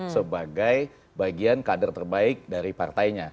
sebagai bagian kader terbaik dari partainya